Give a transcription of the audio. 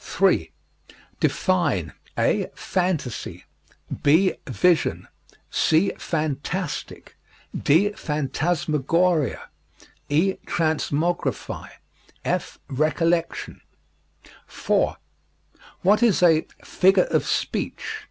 3. Define (a) phantasy; (b) vision; (c) fantastic; (d) phantasmagoria; (e) transmogrify; (f) recollection. 4. What is a "figure of speech"?